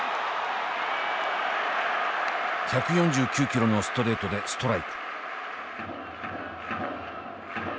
１４９キロのストレートでストライク。